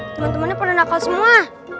temen temennya pada nakal semua